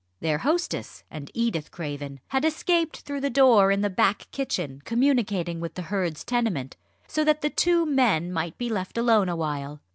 Their hostess and Edith Craven had escaped through the door in the back kitchen communicating with the Hurds' tenement, so that the two men might be left alone a while.